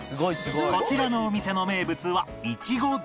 こちらのお店の名物は苺大福